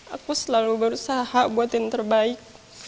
aku selalu berusaha buat yang terbaik